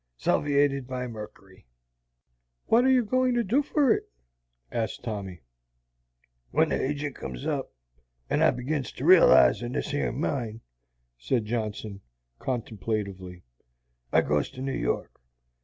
Salviated by merkery." "What are you goin' to do for it?" asked Tommy. "When the agint comes up, and I begins to realize on this yer mine," said Johnson, contemplatively, "I goes to New York.